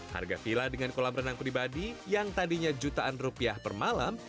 harga villa dengan kolam renang pribadi yang tadinya jutaan rupiah per malam